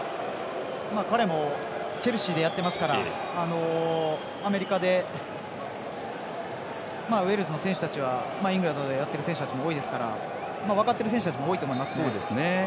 彼もチェルシーでやっていますからアメリカでウェールズの選手たちはイングランドでやっている選手たちも多いですから分かってる選手も多いと思います。